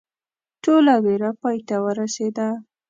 ټوله ویره پای ته ورسېده.